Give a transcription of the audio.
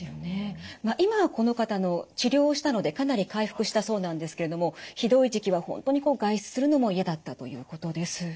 今はこの方治療したのでかなり回復したそうなんですけれどもひどい時期は本当に外出するのも嫌だったということです。